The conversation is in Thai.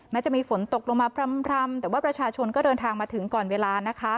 จะมีฝนตกลงมาพร่ำแต่ว่าประชาชนก็เดินทางมาถึงก่อนเวลานะคะ